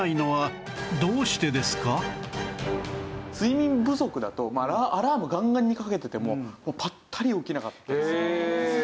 睡眠不足だとアラームガンガンにかけててもぱったり起きなかったりするんですよ。